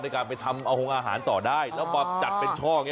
ในการไปทำห่วงอาหารต่อได้แล้วมาจัดเป็นช่อง